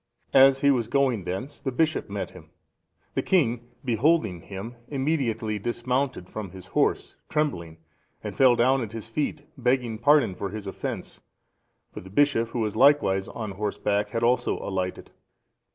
As he was going thence, the bishop met him. The king, beholding him, immediately dismounted from his horse, trembling, and fell down at his feet, begging pardon for his offence; for the bishop, who was likewise on horseback, had also alighted.